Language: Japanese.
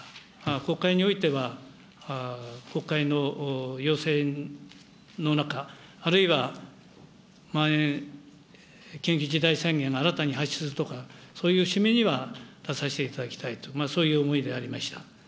国会においては、国会の要請の中、あるいはまん延、緊急事態宣言が新たに発出するとか、そういう節目には出させていただきたいと、そういう思いでありました。